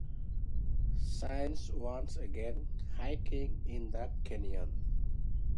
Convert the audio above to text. Signs warn against hiking in the canyon.